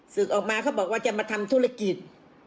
ศึกออกมาเขาบอกว่าจะมาทำธุรกิจ